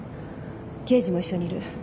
刑事も一緒にいる。